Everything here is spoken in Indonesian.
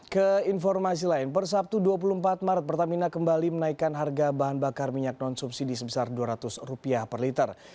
ke informasi lain per sabtu dua puluh empat maret pertamina kembali menaikkan harga bahan bakar minyak non subsidi sebesar rp dua ratus per liter